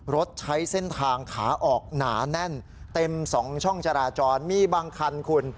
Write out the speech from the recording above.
รถใช้เส้นทางขาออกหนาแน่นเต็ม๒ช่องจราจรมีบางคันคุณ